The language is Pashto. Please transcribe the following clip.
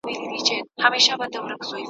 لا په عقل وو تر نورو هم ښاغلی `